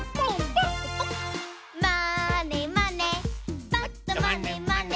「まーねまねぱっとまねまね」